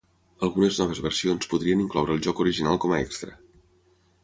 Algunes noves versions podrien incloure el joc original com a extra.